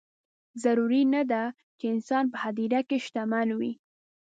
ضروري نه ده چې انسان په هدیره کې شتمن وي.